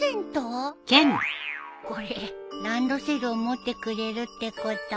これランドセルを持ってくれるってこと？